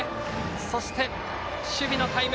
そして、守備のタイム。